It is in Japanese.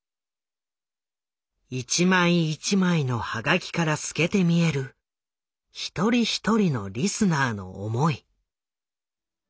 一枚一枚のハガキから透けて見えるひとりひとりのリスナーの思い。